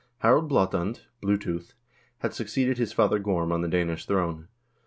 Harald Blaatand (Bluetooth) had succeeded his father Gorm on the Danish throne.